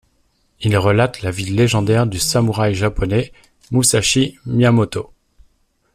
Il relate la vie légendaire du samouraï japonais Musashi Miyamoto.